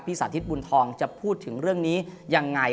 สาธิตบุญทองจะพูดถึงเรื่องนี้ยังไง